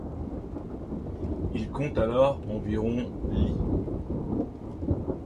Il compte alors environ lits.